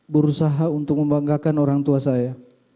berusaha untuk membanggakan orang tua saya